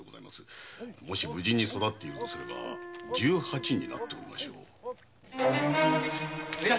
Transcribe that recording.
もし無事に育っていますれば十八になっておりましょう。